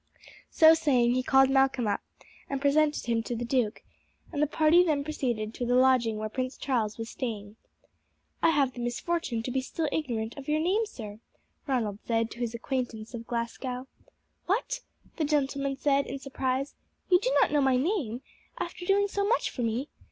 So saying he called Malcolm up and presented him to the duke, and the party then proceeded to the lodging where Prince Charles was staying. "I have the misfortune to be still ignorant of your name, sir," Ronald said to his acquaintance of Glasgow. "What!" the gentleman said in surprise. "You do not know my name, after doing so much for me!